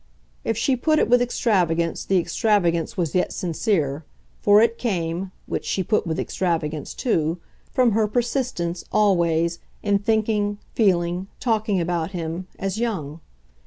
If she put it with extravagance the extravagance was yet sincere, for it came which she put with extravagance too from her persistence, always, in thinking, feeling, talking about him, as young.